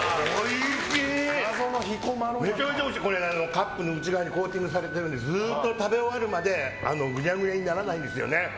カップの内側がコーティングされてるのでずっと食べ終わるまでぐちゃぐちゃにならないんですよね。